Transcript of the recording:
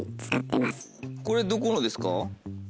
これどこのですか？